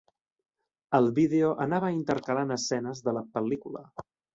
El vídeo anava intercalant escenes de la pel·lícula.